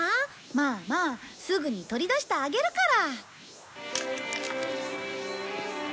まあまあすぐに取り出してあげるから。